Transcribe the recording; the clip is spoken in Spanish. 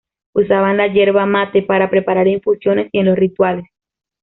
Usaban la yerba mate para preparar infusiones y en los rituales.